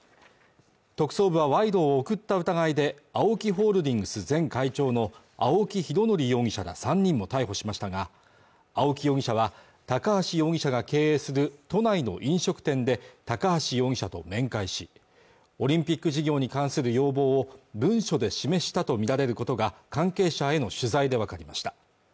特捜部はわいろを贈った疑いでＡＯＫＩホールディングス前会長の青木拡憲容疑者が３人も逮捕しましたが青木容疑者は高橋容疑者が経営する都内の飲食店で高橋容疑者と面会しオリンピック事業に関する要望を文書で示したとみられることが関係者への取材で分かりました